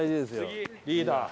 リーダー。